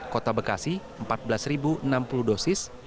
kota bekasi empat belas enam puluh dosis